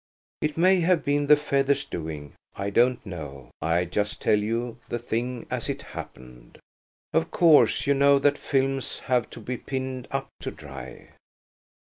It may have been the feather's doing; I don't know. I just tell you the thing as it happened. Of course, you know that films have to be pinned up to dry.